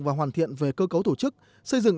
và hoàn thiện về cơ cấu tổ chức xây dựng